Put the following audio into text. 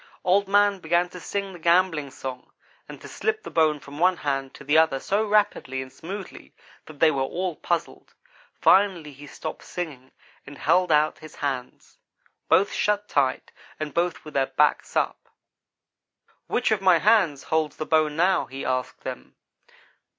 "Old man began to sing the gambling song and to slip the bone from one hand to the other so rapidly and smoothly that they were all puzzled. Finally he stopped singing and held out his hands both shut tight, and both with their backs up. "'Which of my hands holds the bone now?' he asked them.